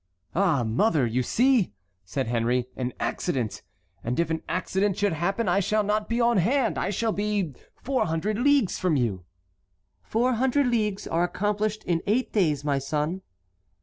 "Oh, mother, you see," said Henry, "an accident—and if an accident should happen, I shall not be on hand; I shall be four hundred leagues from you"— "Four hundred leagues are accomplished in eight days, my son."